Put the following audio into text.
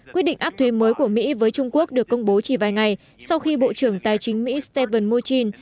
quyết định áp thuê mới của mỹ với trung quốc được công bố chỉ vài ngày sau khi bộ trưởng tài chính mỹ stephen murchin